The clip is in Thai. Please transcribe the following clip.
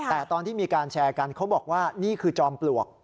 แต่ตอนที่มีการแชร์กันเขาบอกว่านี่คือจอมปลวก